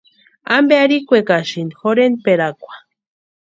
¿Ampe arhikwekasïni jorhentpʼerakwa?